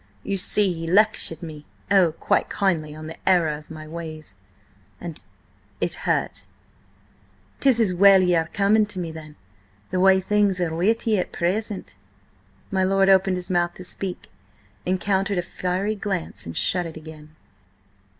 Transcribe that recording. You see–he–lectured me–oh! quite kindly–on the error of my ways, and–it hurt." "'Tis as well ye are coming to me then, the way things are with ye at present." My lord opened his mouth to speak, encountered a fiery glance, and shut it again.